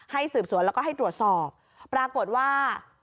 สืบสวนแล้วก็ให้ตรวจสอบปรากฏว่า